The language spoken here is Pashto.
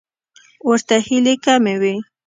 ورته هیلې کمې وې.